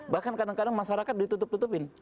bahkan kadang kadang masyarakat ditutup tutupin